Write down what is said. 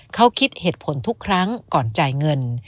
เขาคิดเหตุผลทุกครั้งก่อนจ่ายเงิน